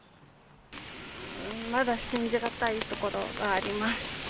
まだ信じ難いところがありま